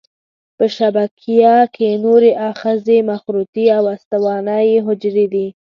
په شبکیه کې نوري آخذې مخروطي او استوانه یي حجرې دي.